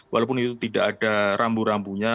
walaupun itu tidak ada rambu rambunya